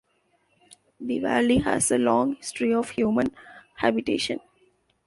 The valley has a long history of human habitation.